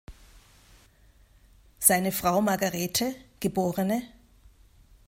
Seine Frau "Margarethe geb.